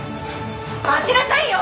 待ちなさいよ！